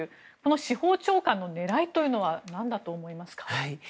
司法長官の狙いというのは何だと思いますか？